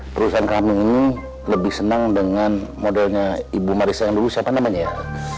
perusahaan kami ini lebih senang dengan modelnya ibu marissa yang dulu siapa namanya ya